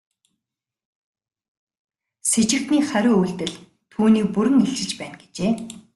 Сэжигтний хариу үйлдэл түүнийг бүрэн илчилж байна гэжээ.